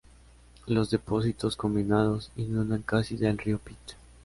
Los depósitos combinados inundan casi del río Pit.